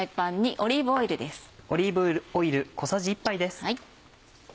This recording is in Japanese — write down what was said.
オリーブオイル小さじ１杯です。